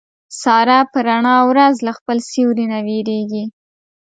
ساره په رڼا ورځ له خپل سیوري نه وېرېږي.